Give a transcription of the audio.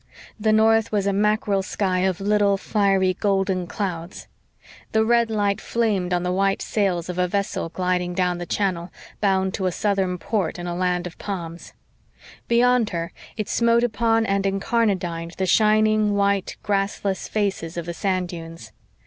The north was a mackerel sky of little, fiery golden clouds. The red light flamed on the white sails of a vessel gliding down the channel, bound to a southern port in a land of palms. Beyond her, it smote upon and incarnadined the shining, white, grassless faces of the sand dunes.